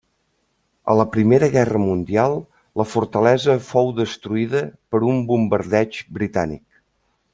A la Primera Guerra Mundial la fortalesa fou destruïda per un bombardeig britànic.